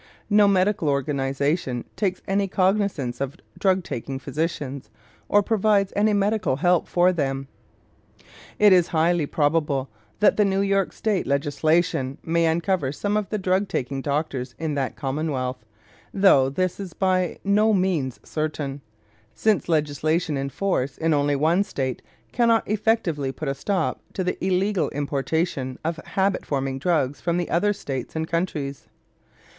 No medical organization takes any cognizance of drug taking physicians or provides any medical help for them. It is highly probable that the New York State legislation may uncover some of the drug taking doctors in that commonwealth, though this is by no means certain, since legislation in force in only one State cannot effectively put a stop to the illegal importation of habit forming drugs from other States and countries.